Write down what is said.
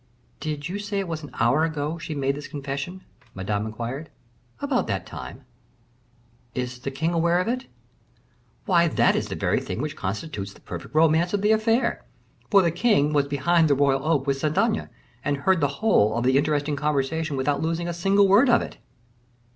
"Did you say it was an hour ago she made this confession?" Madame inquired. "About that time." "Is the king aware of it?" "Why, that is the very thing which constitutes the perfect romance of the affair, for the king was behind the royal oak with Saint Aignan, and heard the whole of the interesting conversation without losing a single word of it."